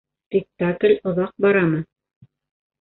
Спектакль оҙаҡ барамы?